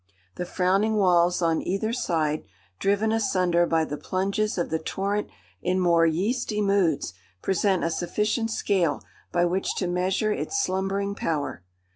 The frowning walls on either side, driven asunder by the plunges of the torrent in more "yeasty moods," present a sufficient scale by which to measure its slumbering power.